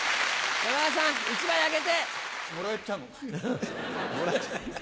山田さん１枚あげて！